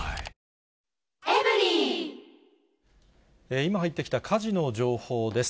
今入ってきた火事の情報です。